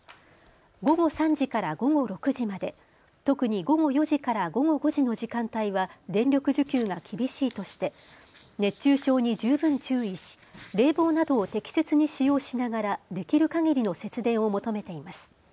午後３時から午後６時まで、特に午後４時から午後５時の時間帯は電力需給が厳しいとして熱中症に十分注意し、冷房などを適切に使用しながらできるかぎりの節電を求めています。